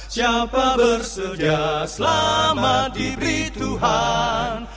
siapa bersedia selamat diberi tuhan